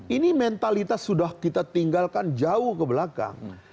ini mentalitas sudah kita tinggalkan jauh ke belakang